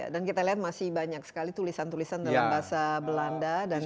dan kita lihat masih banyak sekali tulisan tulisan dalam bahasa belanda